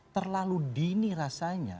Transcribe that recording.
terlalu dini rasanya